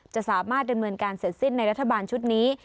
จะสามารถดำเนินการเสร็จสิ้นในรัฐบาลชุดนี้